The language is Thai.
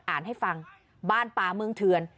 อ่านให้ฟังบ้านป่าเมืองเถื่อน